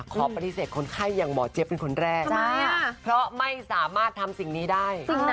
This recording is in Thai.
ขอปฏิเสธคนไข้อย่างหมอเจี๊ยบเป็นคนแรกเพราะไม่สามารถทำสิ่งนี้ได้